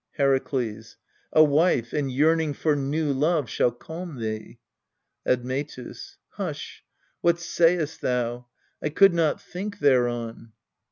Herakles. A wife, and yearning for new love, shall calm thee. . Admetus. Hush ! what sayst thou ? I could not think thereon